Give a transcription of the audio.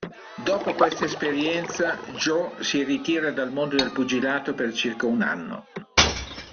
Dopo questa esperienza, Joe si ritira dal mondo del pugilato per circa un anno.